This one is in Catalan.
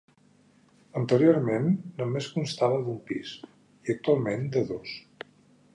Anteriorment, només constava d'un pis, i actualment de dos.